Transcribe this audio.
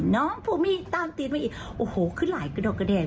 น้องพุมี่ตามตีนไว้อีกขึ้นหลายกระดอกกระแด่